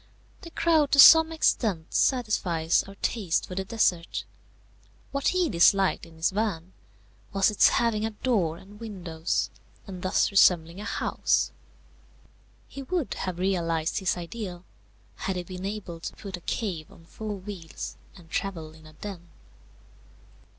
The crowd to some extent satisfies our taste for the desert. What he disliked in his van was its having a door and windows, and thus resembling a house. He would have realized his ideal, had he been able to put a cave on four wheels and travel in a den.